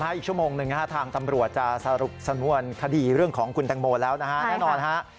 อีกชั่วโมงหนึ่งทางตำรวจจะสรุปสำนวนคดีเรื่องของคุณแตงโมแล้วนะฮะแน่นอนฮะ